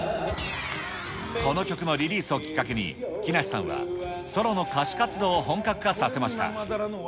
この曲のリリースをきっかけに、木梨さんはソロの歌手活動を本格化させました。